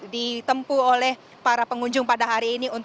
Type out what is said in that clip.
ditempu oleh para pengunjung pada hari ini